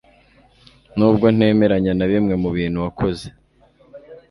nubwo ntemeranya na bimwe mu bintu wakoze